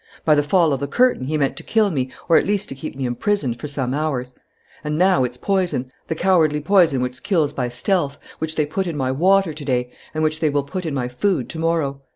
By the fall of the curtain he meant to kill me or at least to keep me imprisoned for some hours. And now it's poison, the cowardly poison which kills by stealth, which they put in my water to day and which they will put in my food to morrow.